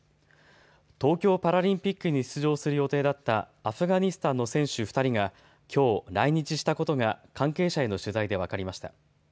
東京パラリンピックに出場する予定だったアフガニスタンの選手２人がきょう来日したことが関係者への取材で分かりました。